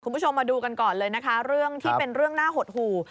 คุณผู้ชมมาดูกันก่อนเลยนะคะเรื่องที่เป็นเรื่องน่าหดหู่